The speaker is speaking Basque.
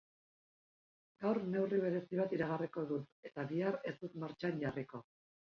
Gaur neurri berri bat iragarriko dut eta bihar ez dut martxan jarriko.